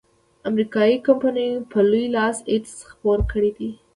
امریکایي کمپینو په لوی لاس ایډز خپور کړیدی.